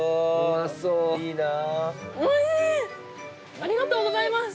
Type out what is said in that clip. ありがとうございます。